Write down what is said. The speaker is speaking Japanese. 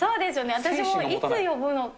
私も、いつ呼ぶのか。